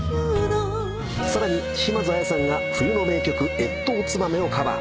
さらに島津亜矢さんが冬の名曲『越冬つばめ』をカバー。